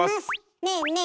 ねえねえ